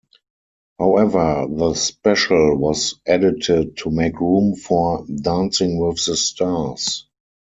However, the special was edited to make room for "Dancing with the Stars".